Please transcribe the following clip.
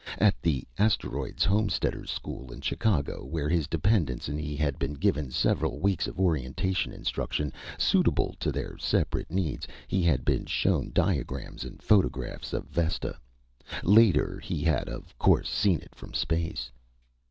At the Asteroids Homesteaders' School in Chicago, where his dependents and he had been given several weeks of orientation instruction, suitable to their separate needs, he had been shown diagrams and photographs of Vesta. Later, he had of course seen it from space.